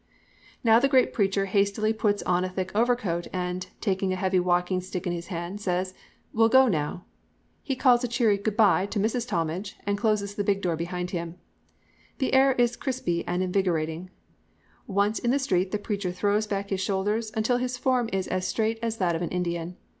"Now the great preacher hastily puts on a thick overcoat and, taking a heavy walking stick in hand, says: 'We'll go now.' He calls a cheery 'goodbye' to Mrs. Talmage and closes the big door behind him. The air is crispy and invigorating. Once in the street the preacher throws back his shoulders until his form is as straight as that of an Indian.